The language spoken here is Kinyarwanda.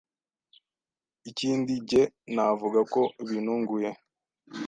Ikindi, jye navuga ko bintunguye